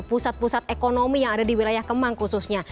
pusat pusat ekonomi yang ada di wilayah kemang khususnya